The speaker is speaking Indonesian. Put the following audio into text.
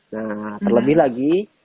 nah terlebih lagi